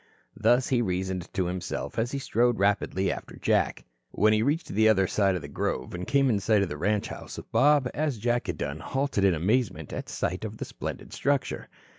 Thus he reasoned to himself, as he strode rapidly after Jack. When he reached the other side of the grove, and came in sight of the ranch house Bob, as Jack had done, halted in amazement at sight of the splendid structure.